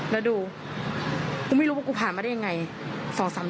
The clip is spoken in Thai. แล้วดูกูไม่รู้ว่ากูผ่านมาได้ยังไง